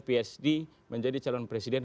psd menjadi calon presiden